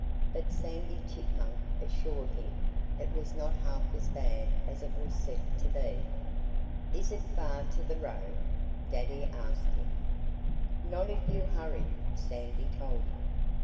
But Sandy Chipmunk assured him it was not half as bad as it was said to be. "Is it far to the road?" Daddy asked him. "Not if you hurry," Sandy told him.